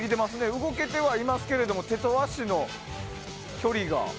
動けてはいますけども手と足の距離が。